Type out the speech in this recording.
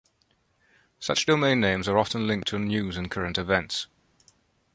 Such domain names are often linked to news and current events.